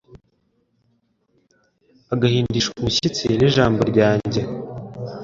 agahindishwa umushyitsi n'Ijambo ryanjye.'»